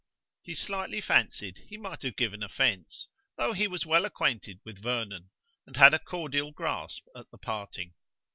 He slightly fancied he might have given offence, though he was well acquainted with Vernon and had a cordial grasp at the parting.